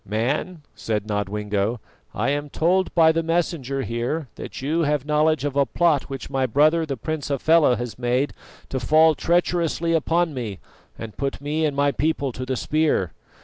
"Man," said Nodwengo, "I am told by the Messenger here that you have knowledge of a plot which my brother the Prince Hafela has made to fall treacherously upon me and put me and my people to the spear.